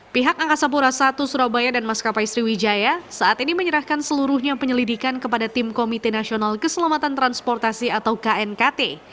pihak angkasa pura i surabaya dan maskapai sriwijaya saat ini menyerahkan seluruhnya penyelidikan kepada tim komite nasional keselamatan transportasi atau knkt